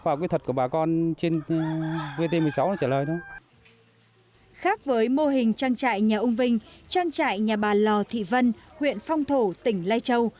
khác với mô hình trang trại nhà ông vinh trang trại nhà bà lò thị vân huyện phong thổ tỉnh lai châu